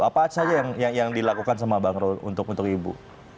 apa saja yang dilakukan sama bang rol untuk ibu